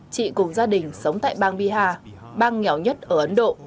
chị cùng gia đình sống tại bang biha bang nghèo nhất ở ấn độ